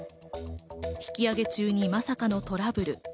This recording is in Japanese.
引き揚げ中にまさかのトラブル。